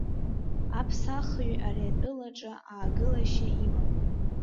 Аԥсахҩы ари атәылаҿы аагылашьа имам!